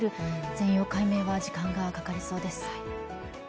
全容解明は時間がかかりそうです。